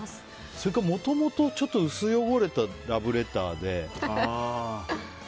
それか、もともとちょっと薄汚れたラブレターで。